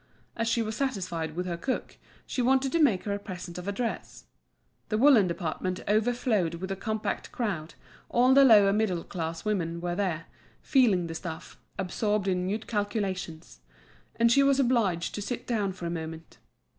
As she was satisfied with her cook, she wanted to make her a present of a dress. The woollen department overflowed with a compact crowd, all the lower middle class women were there, feeling the stuff, absorbed in mute calculations; and she was obliged to sit down for a moment.